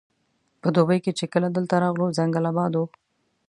په دوبي کې چې کله دلته راغلو ځنګل اباد وو.